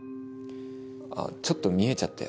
あっちょっと見えちゃって。